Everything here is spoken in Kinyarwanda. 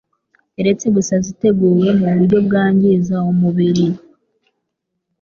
keretse gusa ziteguwe mu buryo bwangiza umubiri.